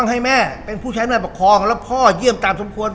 ต้องให้แม่เป็นผู้ใช้หน้าประคองแล้วพ่อเยี่ยมตามสมควร